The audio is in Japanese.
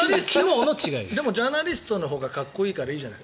でもジャーナリストのほうがかっこいいからいいじゃない。